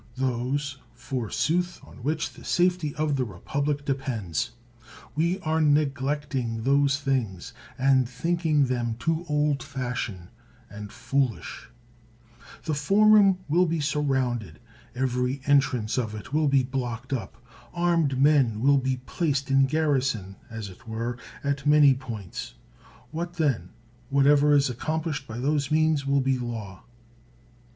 Those, forsooth, on which the safety of the republic de pends. We are neglecting those things, and thinking them too old fashioned and foolish. 159 THE WORLD'S FAMOUS ORATIONS The forum will be surrounded, every entrance of it will be blocked up; armed men will be placed in garrison, as it were, at many points. What then? — whatever is accomplished by those means will be law.